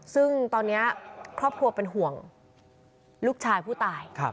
ซึ่งตอนนี้ครอบครัวเป็นห่วงลูกชายผู้ตาย